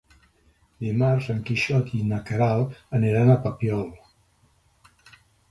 Dimarts en Quixot i na Queralt aniran al Papiol.